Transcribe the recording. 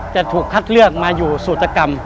จะถูกคัดเลือกมาอยู่ศูตกรรม